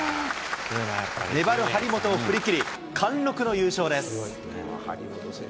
粘る張本を振り切り、貫禄の優勝です。